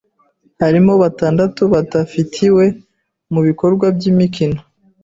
harimo batandatu batafitiwe mu bikorwa by’imikino